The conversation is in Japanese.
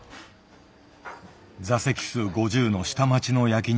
座席数５０の下町の焼き肉店。